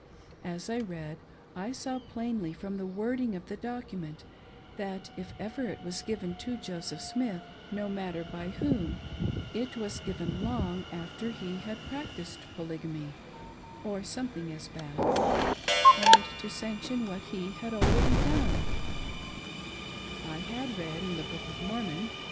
As 1 read, I saw plainly from the "^oorcRn^' of the docu ment that if ever it was given to Joseph Smith — no matter by whom, it was given long after he hdid' practiced Polygamy — or soihethihg as bad — and to sanction what he had already done, fhad read in the Book of Mormon : 542 WHAT THE PQOK OF MORMON SAYS.